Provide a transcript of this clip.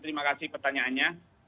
terima kasih pertanyaannya